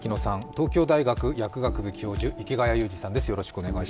東京大学薬学部教授池谷裕二さんです。